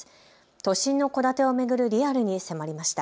都心の戸建てを巡るリアルに迫りました。